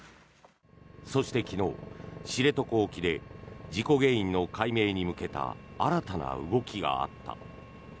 そして昨日、知床沖で事故原因の解明に向けた新たな動きがあった。